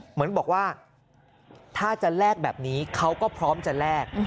เหมือนบอกว่าถ้าจะแลกแบบนี้เขาก็พร้อมจะแลก